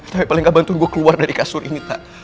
tapi paling gak bantuan gue keluar dari kasur ini tak